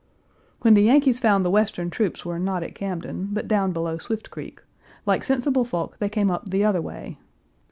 When the Yankees found the Western troops were not at Camden, but down below Swift Creek, like sensible folk they came up the other way, and while we waited at Chester 1.